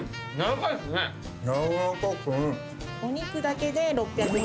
お肉だけで６００ｇ。